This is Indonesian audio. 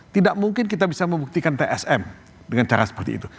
tidak mungkin kita bisa membuktikan tsm dengan cara seperti itu